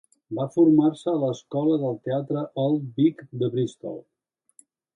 Va formar-se a l'escola del teatre Old Vic de Bristol.